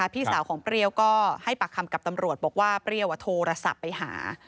พี่สาวของเปรี้ยวก็ให้ปากคำกับตำรวจบอกว่าเปรี้ยวโทรศัพท์ไปหา